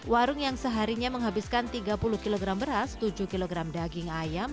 warung yang seharinya menghabiskan tiga puluh kg beras tujuh kg daging ayam